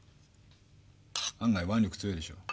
案外腕力強いでしょ。